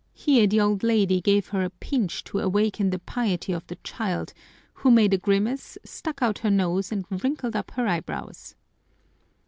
Here the old lady gave her a pinch to awaken the piety of the child, who made a grimace, stuck out her nose, and wrinkled up her eyebrows.